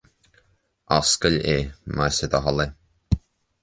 Oscail é, más é do thoil é